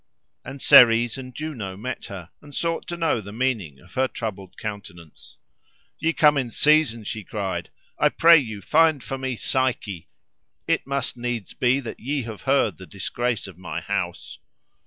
And Ceres and Juno met her, and sought to know the meaning of her troubled countenance. "Ye come in season," she cried; "I pray you, find for me Psyche. It must needs be that ye have heard the disgrace of my house."